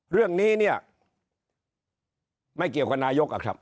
เรื่องนี้เนี่ยไม่เกี่ยวกับนายกอะครับ